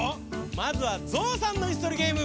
まずはゾウさんのいすとりゲーム。